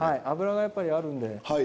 脂がやっぱりあるんで。